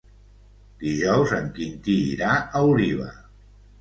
Dijous en Quintí irà a Oliva.